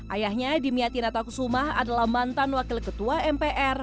ayahnya dimiya tina takusumah adalah mantan wakil ketua mpr